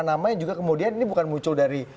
namanya juga kemudian ini bukan muncul dari